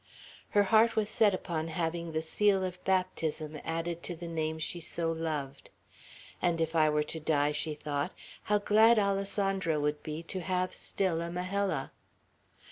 Her heart was set upon having the seal of baptism added to the name she so loved; and, "If I were to die," she thought, "how glad Alessandro would be, to have still a Majella!"